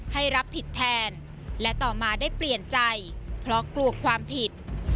ให้รับผิดแทนและต่อมาได้เปลี่ยนใจเพราะกลัวความผิด